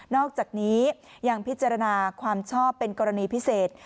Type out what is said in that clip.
อกจากนี้ยังพิจารณาความชอบเป็นกรณีพิเศษ